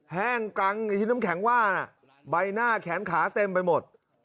แห้งกังอีกชิ้นน้ำแข็งว่าใบหน้าแขนขาเต็มไปหมด